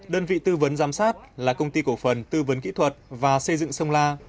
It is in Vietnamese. đơn vị tư vấn giám sát là công ty cổ phần tư vấn kỹ thuật và xây dựng sông la